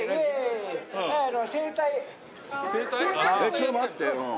ちょっと待って。